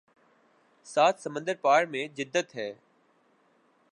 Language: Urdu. سات سمندر پار میں جدت ہے